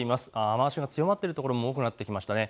雨足の強まっている所も多くなってきましたね。